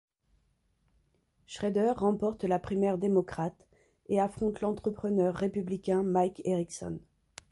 Schrader remporte la primaire démocrate et affronte l'entrepreneur républicain Mike Erickson.